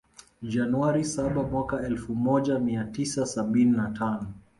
Januari saba Mwaka elfu moja mia tisa sabini na tano